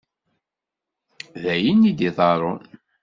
D ayen i d-iḍeṛṛun.